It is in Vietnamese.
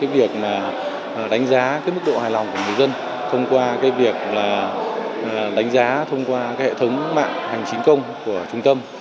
việc đánh giá mức độ hài lòng của người dân thông qua hệ thống mạng hành chính công của trung tâm